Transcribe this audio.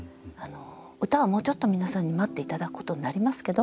歌はもうちょっと皆さんに待っていただくことになりますけど。